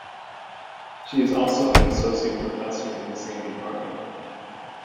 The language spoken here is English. She is also an Associate Professor in the same department.